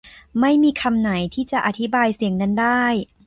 ไม่มีคำไหนที่จะอธิบายเสียงนั้นได้